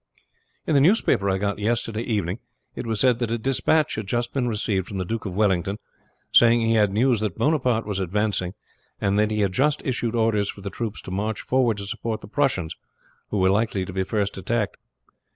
"In the newspaper I got yesterday evening it was said that a despatch had just been received from the Duke of Wellington saying he had news that Bonaparte was advancing, and that he had just issued orders for the troops to march forward to support the Prussians, who were likely to be first attacked."